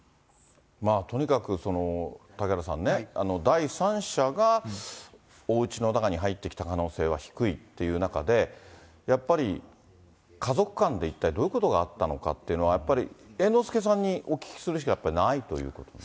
とにかく嵩原さんね、第三者がおうちの中に入ってきた可能性は低いっていう中で、やっぱり家族間で一体どういうことがあったのかっていうのは、やっぱり、猿之助さんにお聞きするしかやっぱりないということで。